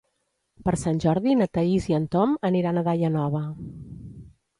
Per Sant Jordi na Thaís i en Tom aniran a Daia Nova.